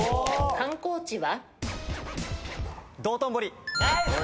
観光地は？